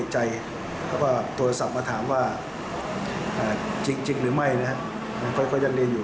จริงหรือไม่นะค่อยยันเรียนอยู่